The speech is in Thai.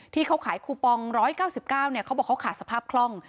ที่เขาขายคูปอง๑๙๙เขาบอกเขาขาดสภาพคล่อง